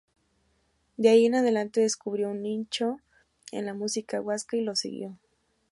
De ahí en adelante, descubrió un nicho en la música guasca y lo siguió.